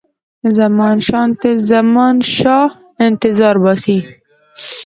زمانشاه انتظار باسي.